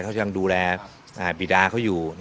เขายังดูแลบีดาเขาอยู่